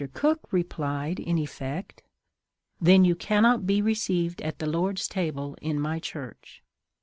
Cook replied in effect: "Then you cannot be received at the Lord's table in my church."